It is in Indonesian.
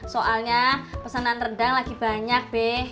soalnya pesanan rendang lagi banyak deh